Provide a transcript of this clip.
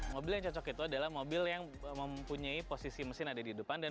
mobil yang cocok itu adalah mobil yang mempunyai posisi mesin ada di depan dan